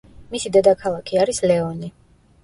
მისი დედაქალაქი არის ლეონი.